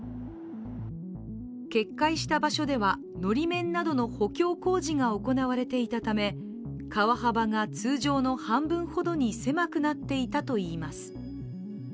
決壊した場所では、のり面などの補強工事が行われていたため川幅が通常の半分ほどに狭くなっていたといいます。